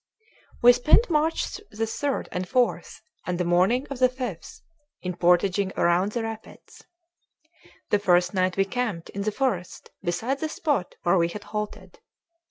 We spent March 3 and 4 and the morning of the 5th in portaging around the rapids. The first night we camped in the forest beside the spot where we had halted.